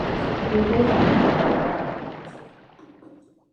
He was laicized and got married.